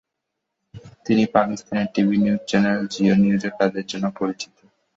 তিনি পাকিস্তানের TV news channel Geo নিউজে কাজের জন্য পরিচিত।